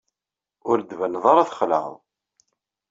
Ur d-tbaneḍ ara txelɛeḍ.